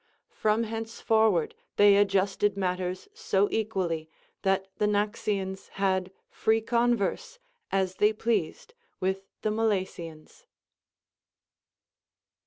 From hencefor ward they adjusted matters so equally, that the Naxians had free conΛ'erse, as they pleased, with the Milesians.